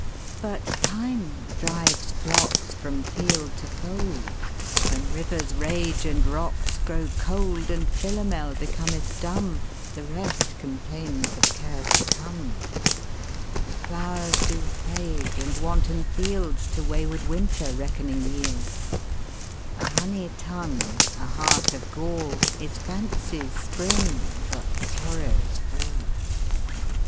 But Time drives flocks from field to fold; When rivers rage and rocks grow cold; And Philomel becometh dumb; The rest complains of cares to come. The flowers do fade, and wanton fieldsTo wayward Winter reckoning yields:A honey tongue, a heart of gall, Is fancy's spring, but sorrow's fall.